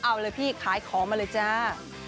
เอาเลยพี่ขายของมาเลยจ้า